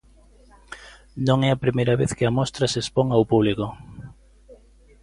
Non é a primeira vez que a mostra se expón ao público.